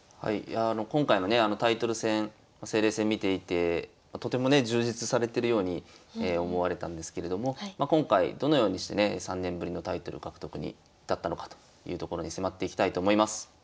今回のねタイトル戦清麗戦見ていてとてもね充実されてるように思われたんですけれども今回どのようにしてね３年ぶりのタイトル獲得に至ったのかというところに迫っていきたいと思います。